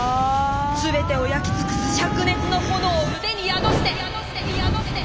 全てを焼きつくすしゃく熱のほのおをうでに宿して！